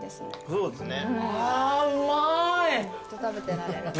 そうですね。